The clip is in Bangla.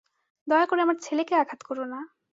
দয়া করে আমার ছেলেকে আঘাত করো না।